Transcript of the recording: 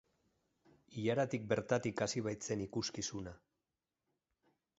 Ilaratik bertatik hasi baitzen ikuskizuna.